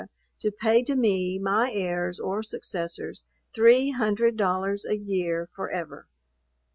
to pay to me, my heirs or successors, three hundred dollars a year forever.